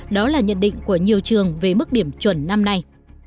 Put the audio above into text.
đó là nhận định của nhiều trường về mức điểm chuẩn năm nay